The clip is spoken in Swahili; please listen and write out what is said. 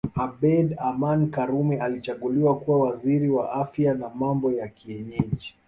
Abeid Amani Karume alichaguliwa kuwa Waziri wa Afya na Mambo ya Kienyeji